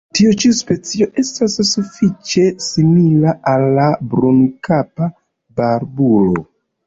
Tiu ĉi specio estas sufiĉe simila al la Brunkapa barbulo.